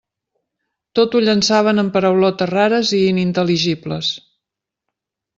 Tot ho llançaven amb paraulotes rares i inintel·ligibles.